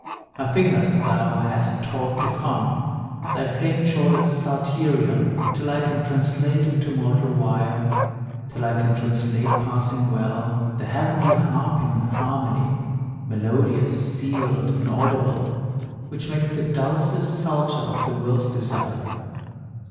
My fingers thou hast taught to con Thy flame chorded psalterion, Till I can translate into mortal wire Till I can translate passing well The heavenly harping harmony, Melodious, sealed, inaudible, Which makes the dulcet psalter of the world's desire.